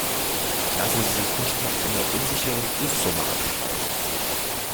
Lassen Sie sich nicht mit einer unsicheren Prüfsumme abspeisen.